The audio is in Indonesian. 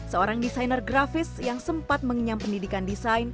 seorang desainer grafis yang sempat mengenyam pendidikan desain